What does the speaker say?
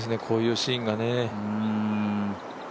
こういうシーンがね。